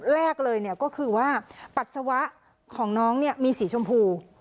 แรกเลยเนี้ยก็คือว่าปัสสาวะของน้องเนี้ยมีสีชมพู